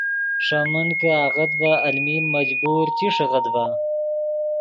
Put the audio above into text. ݰے من کہ آغت ڤے المین مجبور چی ݰیغیت ڤے